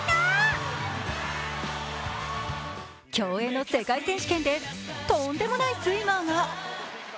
競泳の世界選手権でとんでもないスイマーが。